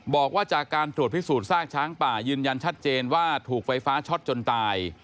บอกว่าจากการตรวจพิสูจนซากช้างป่ายืนยันชัดเจนว่าถูกไฟฟ้าช็อตจนตาย